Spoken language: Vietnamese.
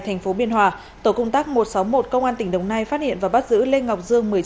thành phố biên hòa tổ công tác một trăm sáu mươi một công an tỉnh đồng nai phát hiện và bắt giữ lê ngọc dương